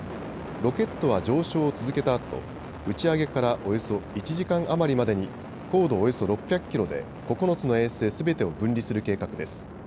ロケットは上昇を続けたあと打ち上げからおよそ１時間余りまでに高度およそ６００キロで９つの衛星すべてを分離する計画です。